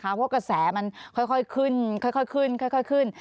เพราะว่ากระแสมันค่อยขึ้น